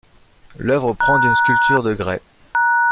L'œuvre prend d'une sculpture de grès.